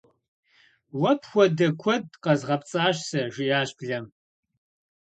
- Уэ пхуэдэ куэд къэзгъэпцӀащ сэ, - жиӏащ блэм.